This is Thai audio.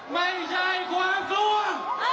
ไม่ใช่ความคลุม